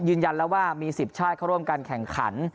ยืนยันแล้วว่ามี๑๐ชาติเข้าร่วมการแข่งขัน